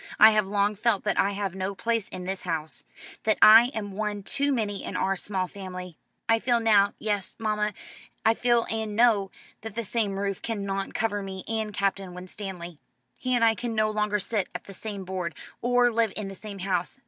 I have long felt that I have no place in this house that I am one too many in our small family. I feel now yes, mamma, I feel and know that the same roof cannot cover me and Captain Winstanley. He and I can no longer sit at the same board, or live in the same house.